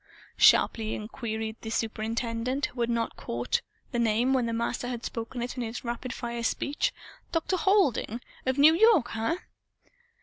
sharply queried the superintendent, who had not caught the name when the Master had spoken it in his rapid fire speech. "Dr. Halding? Of New York? Huh!